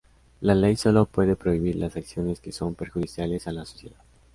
La ley solo puede prohibir las acciones que son perjudiciales a la sociedad.